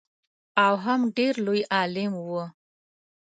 او هم ډېر لوی عالم و.